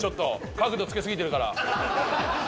角度付け過ぎてるから。